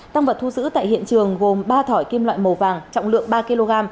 tăng vật thu giữ tại hiện trường gồm ba thỏi kim loại màu vàng trọng lượng ba kg